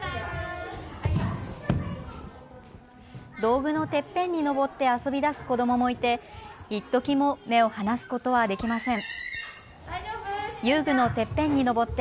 遊具のてっぺんに上って遊びだす子どももいていっときも目を離すことはできません。